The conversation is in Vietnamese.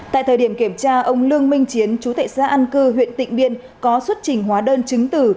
tại thời điểm kiểm tra ông lương minh chiến chú tệ xã an cư huyện tỉnh biên có xuất trình hóa đơn chứng từ